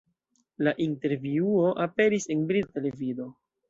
La intervjuo aperis en brita televido.